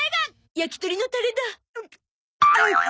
焼き鳥のタレだ！